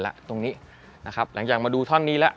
หลังจากมาดูท่อนนี้แล้ว